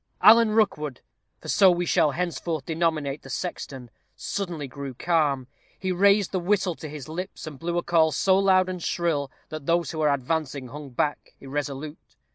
Alan Rookwood for so we shall henceforth denominate the sexton suddenly grew calm: he raised the whistle to his lips, and blew a call so loud and shrill, that those who were advancing hung back irresolute.